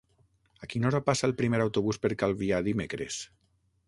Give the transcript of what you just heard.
A quina hora passa el primer autobús per Calvià dimecres?